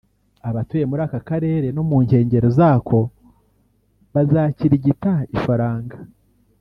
abatuye muri aka karere no mu nkengero zako bazakirigita ifaranga